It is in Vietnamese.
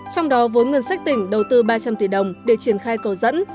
trong đó vốn ngân sách tỉnh đầu tư ba trăm linh tỷ đồng để triển khai cầu dẫn